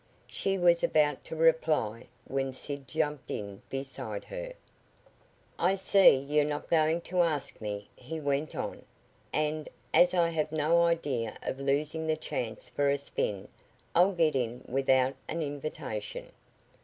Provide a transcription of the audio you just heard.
She was about to reply, when Sid jumped in beside her. "I see you're not going to ask me," he went on, "and, as I have no idea of losing the chance for a spin, I'll get in without an invitation."